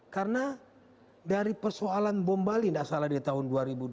karena dari persoalan bom bali tidak salah di tahun dua ribu dua